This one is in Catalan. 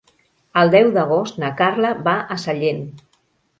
El deu d'agost na Carla va a Sallent.